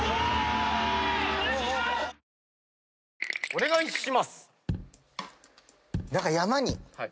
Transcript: お願いします。